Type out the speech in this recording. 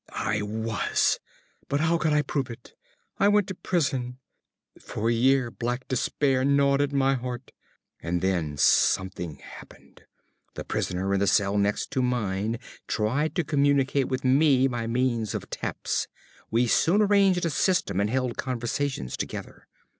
~ I was. But how could I prove it? I went to prison. For a year black despair gnawed at my heart. And then something happened. The prisoner in the cell next to mine tried to communicate with me by means of taps. We soon arranged a system and held conversations together.